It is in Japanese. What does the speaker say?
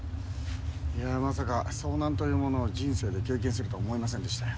いやまさか遭難というものを人生で経験するとは思いませんでしたよ。